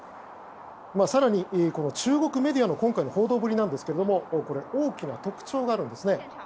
更に中国メディアの今回の報道ぶりなんですけども大きな特徴があるんですね。